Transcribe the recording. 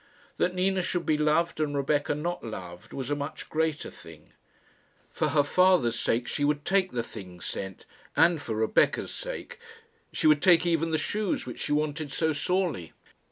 That Nina should be loved, and Rebecca not loved, was a much greater thing. For her father's sake she would take the things sent and for Rebecca's sake. She would take even the shoes, which she wanted so sorely.